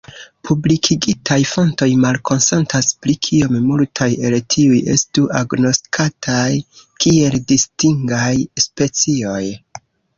Publikigitaj fontoj malkonsentas pri kiom multaj el tiuj estu agnoskataj kiel distingaj specioj.